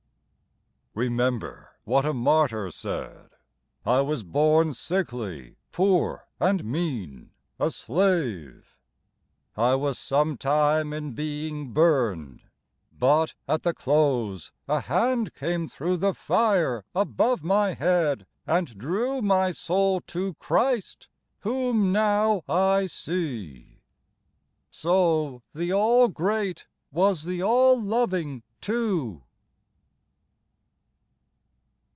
"Remember what a martyr said: I was born sickly, poor and mean, A slave ... I was some time in being burned, But at the close a Hand came through The fire above my head, and drew My soul to Christ, whom now I see. So, the All Great, was the All Loving too."